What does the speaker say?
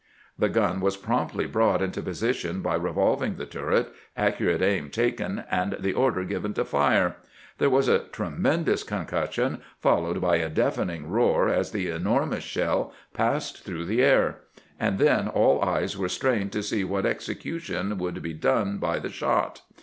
The gun was promptly brought into position by revolving the turret, accurate aim taken, and the order given to fire. There was a tremendous concussion, followed by a deafening roar as the enor mous shell passed through the air ; and then all eyes were strained to see what execution would be done by the shot.